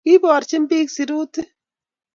Kiborjin bik Sirutik